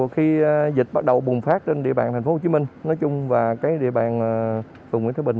khi dịch bắt đầu bùng phát trên địa bàn tp hcm nói chung và địa bàn phường nguyễn thái bình